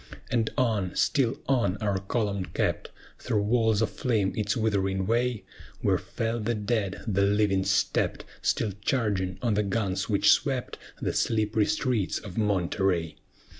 And on still on our column kept Through walls of flame its withering way; Where fell the dead, the living stept, Still charging on the guns which swept The slippery streets of Monterey.